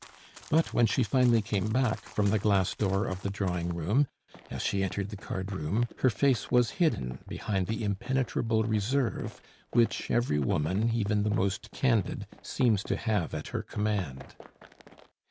But when she finally came back from the glass door of the drawing room, as she entered the cardroom, her face was hidden behind the impenetrable reserve which every woman, even the most candid, seems to have at her command.